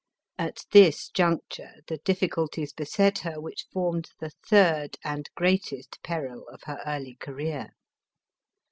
At this juncture, the difficul ties beset her which formed the third and greatest peril of her early career.